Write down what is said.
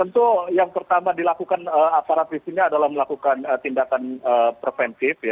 tentu yang pertama dilakukan aparat di sini adalah melakukan tindakan preventif